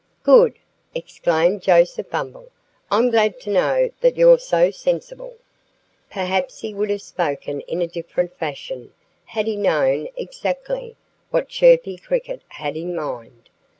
"Good!" exclaimed Joseph Bumble. "I'm glad to know that you're so sensible." Perhaps he would have spoken in a different fashion had he known exactly what Chirpy Cricket had in mind.